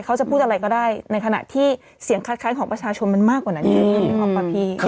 เขาจะพูดอะไรก็ได้ในขณะที่เสียงคัดค้ายของประชาชนมันมากกว่านั้นเลย